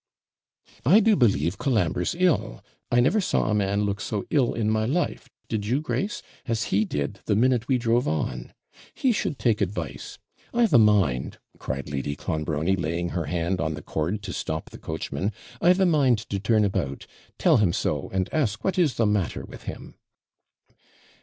'I do believe Colambre's ill; I never saw a man look so ill in my life did you, Grace? as he did the minute we drove on. He should take advice. I've a mind, cried Lady Clonbrony, laying her hand on the cord to stop the coachman 'I've a mind to turn about, tell him so, and ask what is the matter with him.'